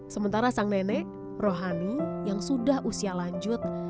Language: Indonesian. sementara sang nenek rohani yang sudah usia lanjut